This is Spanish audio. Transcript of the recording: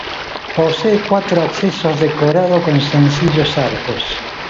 Posee cuatro accesos decorado con sencillos arcos.